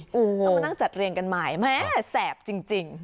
ต้องมานั่งจัดเรียงกันใหม่แม่แสบจริง